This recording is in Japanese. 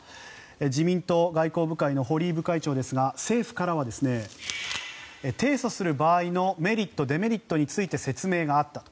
自民党外交部会の堀井部会長ですが政府からは、提訴する場合のメリット、デメリットについて説明があったと。